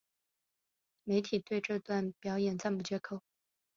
媒体对这段表演赞不绝口。